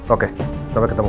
oke sampai ketemu